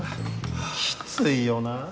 きついよなあ。